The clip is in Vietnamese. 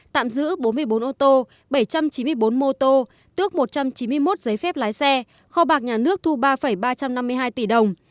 tạm giữ bốn mươi bốn ô tô bảy trăm chín mươi bốn mô tô tước một trăm chín mươi một giấy phép lái xe kho bạc nhà nước thu ba ba trăm năm mươi hai tỷ đồng